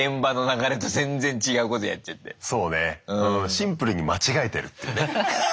シンプルに間違えてるっていうね。